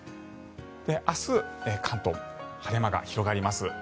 明日、関東は晴れ間が広がります。